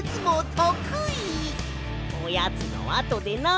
おやつのあとでな！